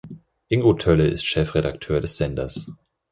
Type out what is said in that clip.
Ingo Tölle ist Chefredakteur des Senders.